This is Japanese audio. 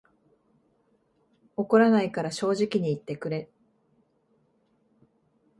怒らないから正直に言ってくれ